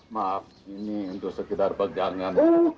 maaf ini untuk sekitar pejalanan